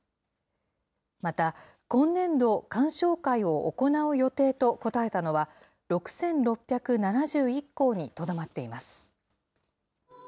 また、今年度、観賞会を行う予定と答えたのは、６６７１校にとどまっています。